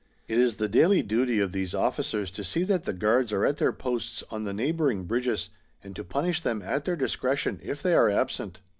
It is the daily duty of these officers to see that the guards are at their posts on the neighbouring bridges, and to punish them at their discretion if they are absent.